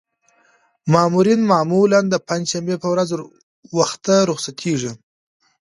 مامورین معمولاً د پنجشنبې په ورځ وخته رخصتېږي.